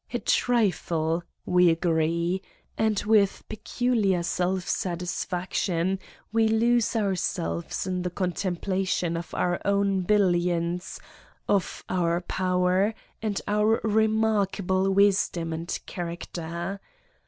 "A trifle!" we agree, and with peculiar self satisfaction we lose ourselves in the contempla tion of our own billions, of our power and our remarkable wisdom and character.